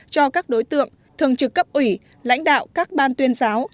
cho các đối tượng thường trực cấp ủy lãnh đạo các ban tuyên giáo